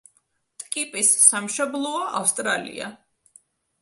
ტკიპის სამშობლოა ავსტრალია.